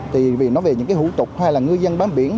thì vì nó về những cái hữu tục hay là ngư dân bán biển